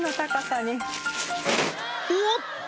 おっと！